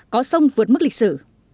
có sông vượt mức lịch sử